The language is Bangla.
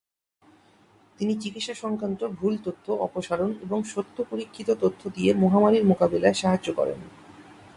তিনি চিকিৎসা সংক্রান্ত ভুল তথ্য অপসারণ এবং সত্য-পরীক্ষিত তথ্য দিয়ে মহামারীর মোকাবেলায় সাহায্য করেন।